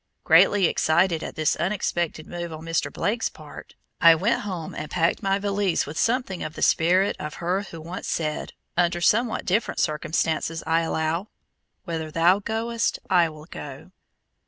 Greatly excited at this unexpected move on Mr. Blake's part, I went home and packed my valise with something of the spirit of her who once said, under somewhat different circumstances I allow, "Whither thou goest I will go."